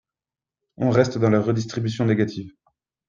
On reste dans la redistribution négative.